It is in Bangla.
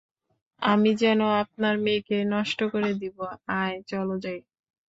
আমি যেন আপনার মেয়েকে নষ্ট করে দিব, আয়, চলো যাই।